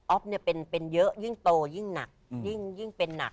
เนี่ยเป็นเยอะยิ่งโตยิ่งหนักยิ่งเป็นหนัก